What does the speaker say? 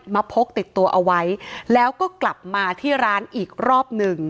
พกติดตัวเอาไว้แล้วก็กลับมาที่ร้านอีกรอบหนึ่ง